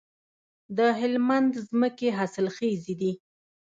د هلمند ځمکې حاصلخیزه دي